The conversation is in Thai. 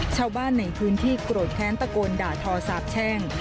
ชาวบ้านในพื้นที่โกรธแค้นตะโกนด่าทอสาบแช่ง